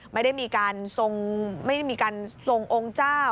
ไม่ได้มีการทรงโยงเจ้า